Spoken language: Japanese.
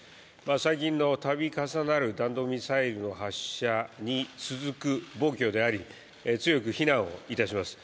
最近の度重なる弾道ミサイル発射に続く暴挙であり、強く非難をいたします